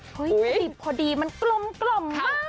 หัวน้อยติดพอดีมันกลมมาก